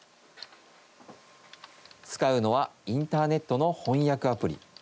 使うのはインターネットの翻訳アプリ。